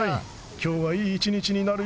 今日はいい一日になるよ。